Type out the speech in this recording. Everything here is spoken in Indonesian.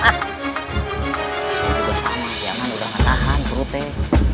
oh itu sudah sama dia kan sudah menahan perutnya